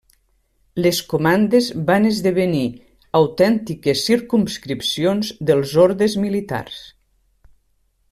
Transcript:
Les comandes van esdevenir autèntiques circumscripcions dels ordes militars.